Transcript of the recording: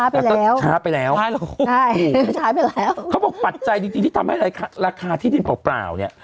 ไปแล้วช้าไปแล้วใช่ไปแล้วเขาบอกปัจจัยจริงที่ทำให้ราคาที่ดินเปล่าเปล่าเนี่ย